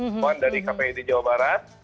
himbawan dari kpid jawa barat